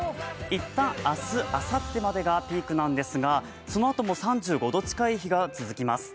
いったん明日、あさってまでがピークなんですがそのあとも３５度近い日が続きます。